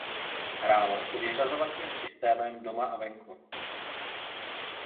Hrálo se vyřazovacím systémem doma a venku.